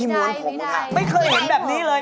ไม่เคยเห็นแบบนี้เลย